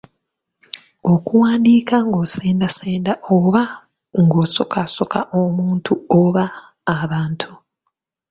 Okuwandiika ng’osendasenda oba ng’osokaasooka omuntu oba abantu.